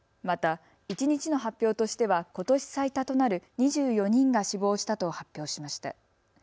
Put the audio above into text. また一日の発表としてはことし最多となる２４人が死亡したと発表しました。